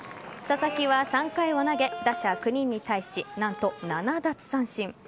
佐々木は３回を投げ打者９人に対し何と７奪三振。